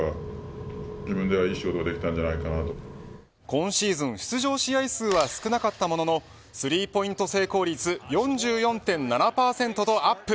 今シーズン出場試合数は少なかったもののスリーポイント成功率４４．７％とアップ